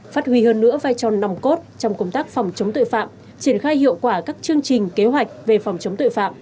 phát huy hơn nữa vai trò nòng cốt trong công tác phòng chống tội phạm triển khai hiệu quả các chương trình kế hoạch về phòng chống tội phạm